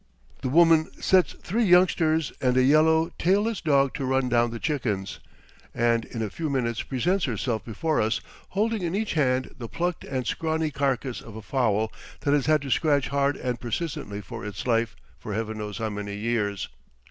The woman sets three youngsters and a yellow, tailless dog to run down the chickens, and in a few minutes presents herself before us, holding in each hand the plucked and scrawny carcass of a fowl that has had to scratch hard and persistently for its life for heaven knows how many years.